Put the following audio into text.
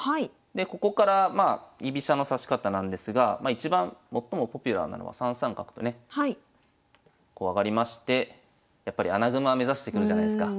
でここからまあ居飛車の指し方なんですがいちばん最もポピュラーなのは３三角とねこう上がりましてやっぱり穴熊目指してくるじゃないすか。